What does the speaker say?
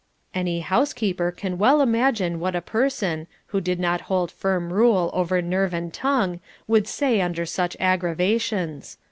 Any housekeeper can well imagine what a person, who did not hold firm rule over nerve and tongue would say under such aggravations.